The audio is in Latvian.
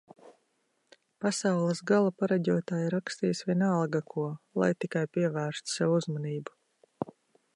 Pasaules gala pareģotāji rakstīs vienalga ko, lai tikai pievērstu sev uzmanību